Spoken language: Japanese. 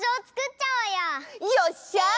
よっしゃ！